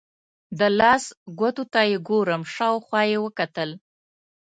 د لاس ګوتو ته یې ګورم، شاوخوا یې وکتل.